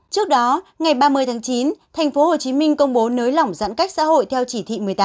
trước đó ngày ba mươi tháng chín tp hcm công bố nới lỏng giãn cách xã hội theo chỉ thị một mươi tám